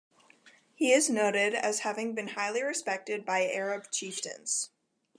He is noted as having been highly respected by Arab chieftains.